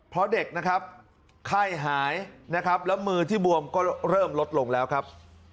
เพราะเด็กไข้หายแล้วมือที่บวมก็เริ่มลดลงแล้วครับ